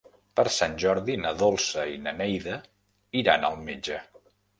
Per Sant Jordi na Dolça i na Neida iran al metge.